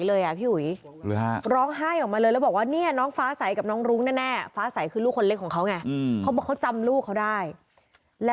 แล้วล่ะวะไงรู้ไหมคะ